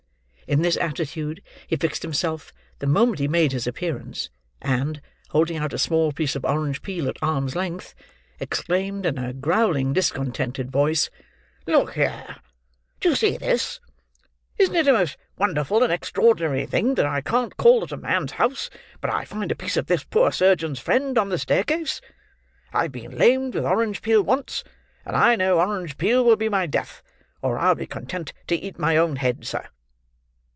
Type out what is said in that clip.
In this attitude, he fixed himself, the moment he made his appearance; and, holding out a small piece of orange peel at arm's length, exclaimed, in a growling, discontented voice. "Look here! do you see this! Isn't it a most wonderful and extraordinary thing that I can't call at a man's house but I find a piece of this poor surgeon's friend on the staircase? I've been lamed with orange peel once, and I know orange peel will be my death, or I'll be content to eat my own head, sir!"